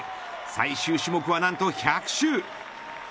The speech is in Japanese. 最終種目は何と１００周。